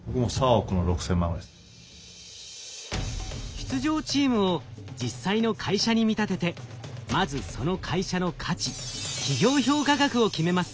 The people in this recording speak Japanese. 出場チームを実際の会社に見立ててまずその会社の価値企業評価額を決めます。